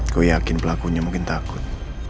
gue yakin pelakunya mungkin takut